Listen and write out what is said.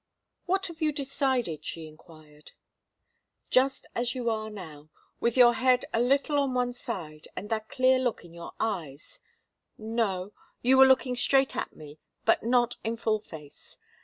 "What have you decided?" she enquired. "Just as you are now, with your head a little on one side and that clear look in your eyes no you were looking straight at me, but not in full face.